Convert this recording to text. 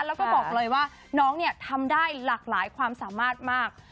แล้วก็บอกเลยว่าน้องเนี่ยทำได้หลากหลายความสามารถมาก